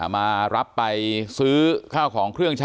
อยากให้สังคมรับรู้ด้วย